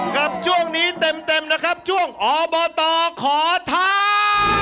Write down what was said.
กับช่วงนี้เต็มนะครับช่วงอบตขอทาน